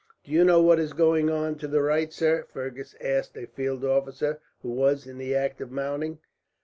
"Do you know what is going on to the right, sir?" Fergus asked a field officer, who was in the act of mounting.